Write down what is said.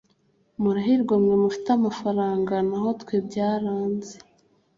Murahirwa mwe mufite amafaranga naho twebyaranze